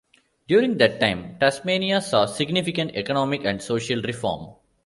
During that time, Tasmania saw significant economic and social reform.